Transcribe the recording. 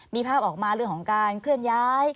มีภาพออกมาเรื่องของการเคลื่อนย้าย